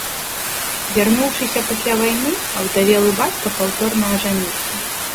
Вярнуўшыся пасля вайны, аўдавелы бацька паўторна ажаніўся.